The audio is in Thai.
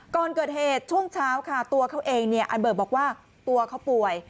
ก่อนเกิดเหตุช่วงเช้าค่ะตัวเขาเองเนี่ยอันเบิร์ตบอกว่าตัวเขาป่วย